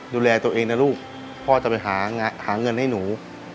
ดูแลตัวเองนะลูกพ่อจะไปหาเงินให้หนู